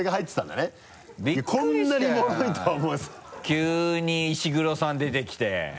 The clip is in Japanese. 急に石黒さん出てきて。